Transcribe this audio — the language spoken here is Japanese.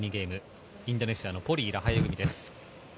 インドネシアのポリイ、ラハユ組です。